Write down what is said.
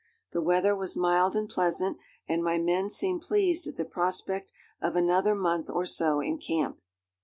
The weather was mild and pleasant, and my men seemed pleased at the prospect of another month or so in camp.